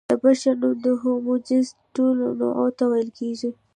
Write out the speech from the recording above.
د بشر نوم د هومو جنس ټولو نوعو ته ویل کېږي.